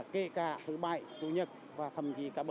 kể cả thứ ba